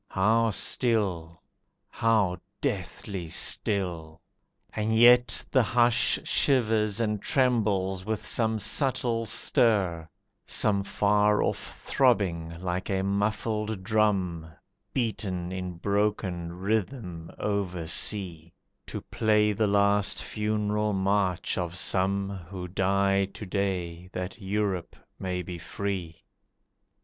How still! How deathly still! And yet the hush Shivers and trembles with some subtle stir, Some far off throbbing like a muffled drum, Beaten in broken rhythm oversea, To play the last funereal march of some Who die to day that Europe may be free.